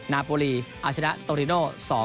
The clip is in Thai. นาโบรีอาชนะโตริโน๒๑